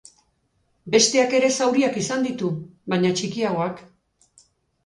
Besteak ere zauriak izan ditu, baina txikiagoak.